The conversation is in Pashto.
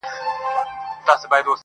نه ادا سول د سرکار ظالم پورونه،